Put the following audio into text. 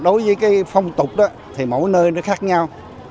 đối với cái phong tục đó thì mỗi nơi nó khác nhau